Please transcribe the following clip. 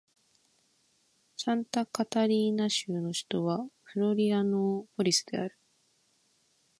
サンタカタリーナ州の州都はフロリアノーポリスである